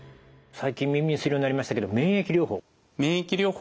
最近耳にするようになりましたけど免疫療法。